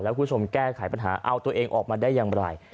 คุณผู้ชมแก้ไขปัญหาเอาตัวเองออกมาได้อย่างไร